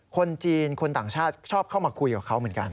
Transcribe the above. คนจีนคนต่างชาติชอบเข้ามาคุยกับเขาเหมือนกัน